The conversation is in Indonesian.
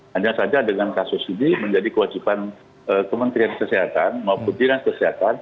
hanya saja dengan kasus ini menjadi kewajiban kementerian kesehatan maupun dinas kesehatan